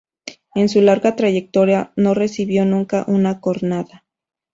En su larga trayectoria no recibió nunca una cornada.